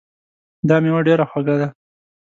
دا میوه ډېره خوږه ده